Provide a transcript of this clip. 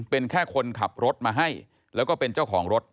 เป็นแค่คนขับรถมาให้แล้วก็เป็นเจ้าของรถ